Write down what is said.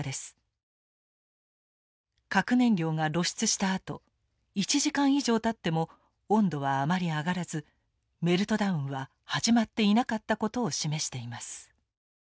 核燃料が露出したあと１時間以上たっても温度はあまり上がらずメルトダウンは始まっていなかったことを示しています。